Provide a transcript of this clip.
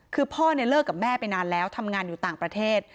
คือพ่อเนี่ยเลิกกับแม่ไปนานแล้วทำงานอยู่ต่างประเทศ